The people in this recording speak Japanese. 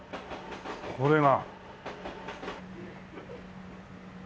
これが。